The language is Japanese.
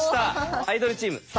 アイドルチーム「３」。